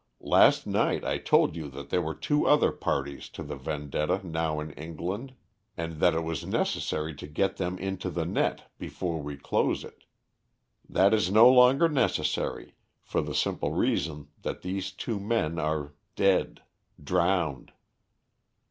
"Last night I told you that there were two other parties to the vendetta now in England, and that it was necessary to get them into the net before we close it. That is no longer necessary, for the simple reason that these two men are dead drowned."